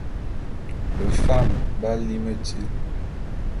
Befam b'á lí metíl.